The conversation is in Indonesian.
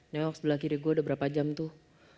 neok sebelah kiri gue udah berapa jam tuh